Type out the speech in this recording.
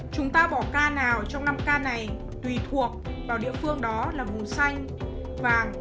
chúng ta bỏ ca nào trong năm k này tùy thuộc vào địa phương đó là vùng xanh vàng